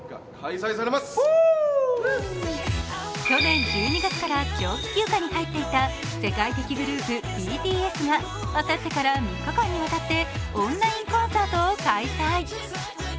去年１２月から長期休暇に入っていた世界的グループ、ＢＴＳがあさってから３日間にわたってオンラインコンサートを開催。